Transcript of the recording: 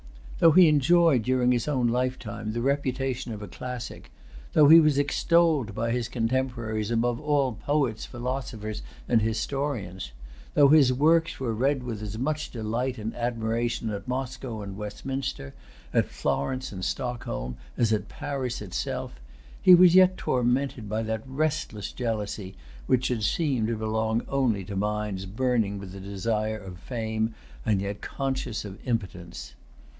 Though he enjoyed during his own lifetime the reputation of a classic, though he was extolled by his contemporaries above all poets, philosophers, and historians, though his[Pg 284] works were read with as much delight and admiration at Moscow and Westminster, at Florence and Stockholm, as at Paris itself, he was yet tormented by that restless jealousy which should seem to belong only to minds burning with the desire of fame, and yet conscious of impotence.